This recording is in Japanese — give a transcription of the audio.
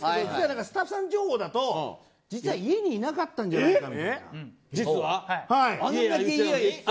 スタッフさん情報だと実は家にいなかったんじゃないかって。